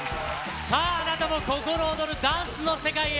さあ、あなたも心躍るダンスの世界へ。